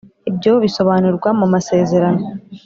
Ibyo bisobanurwa mu masezerano